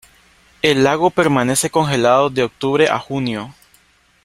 El lago permanece congelado de octubre a junio.